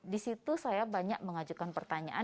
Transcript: di situ saya banyak mengajukan pertanyaan